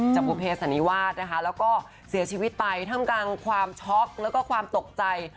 แล้วก็เสียชีวิตไปทั้งกันความช็อคแล้วก็ความตกใจ